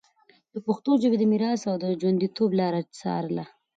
د پښتو ژبي د میراث او ژونديتوب لاره څارله